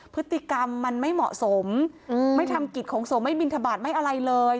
พฤติกรรมมันไม่เหมาะสมไม่ทำกิจของสงฆ์ไม่บินทบาทไม่อะไรเลย